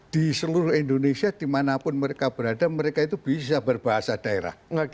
di seluruh indonesia dimanapun mereka berada mereka itu bisa berbahasa daerah